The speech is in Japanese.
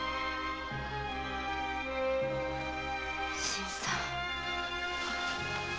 新さん！